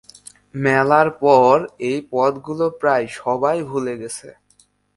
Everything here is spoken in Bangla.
মেলার পর এই পথগুলো প্রায় সবাই ভুলে গেছে।